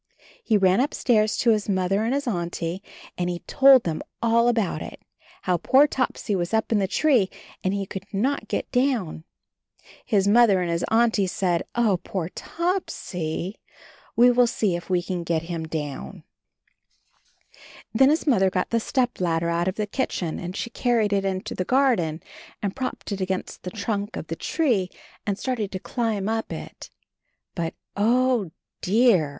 He ran upstairs to his Mother and his Auntie and he told them all about it — ^how poor Topsy was up in the tree and he could not get down. His Mother and his Auntie said, "Oh, poor Topsy; we will see if we can get him AND HIS KITTEN TOPSY 71 down." Then his Mother got the stepladder out of the kitchen and she carried it into the garden and propped it against the trunk of the tree and started to climb up it. But, O dear!